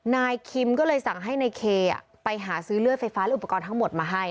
นายคิมก็เลยสั่งให้นายเคไปหาซื้อเลือดไฟฟ้าและอุปกรณ์ทั้งหมดมาให้